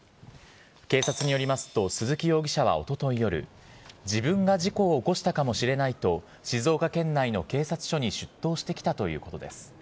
警察によりますと、鈴木容疑者はおととい夜、自分が事故を起こしたかもしれないと静岡県内の警察署に出頭してきたということです。